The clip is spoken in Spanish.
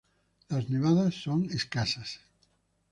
Las nevadas son escasas.